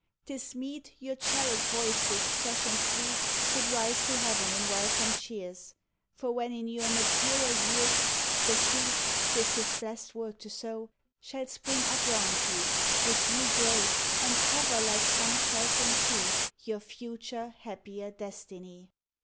'tis meet Your cherub voices fresh and sweet Should rise to heaven in welcome cheers; For when in your maturer years The seed 'tis his blest work to sow Shall spring up round you with you grow, And cover like some sheltering tree Your future, happier destiny.